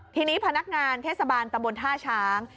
ทีนี้พนักงานเทศบาลตำบลท่าช้าง